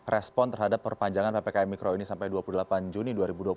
respon terhadap perpanjangan ppkm mikro ini sampai dua puluh delapan juni dua ribu dua puluh